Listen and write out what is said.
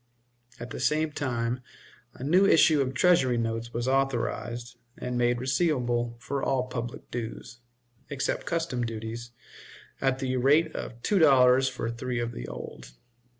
At the same time a new issue of Treasury notes was authorized, and made receivable for all public dues, except customs duties, at the rate of two dollars for three of the old.